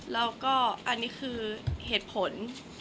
แล้วก็อันนี้คือเหตุผล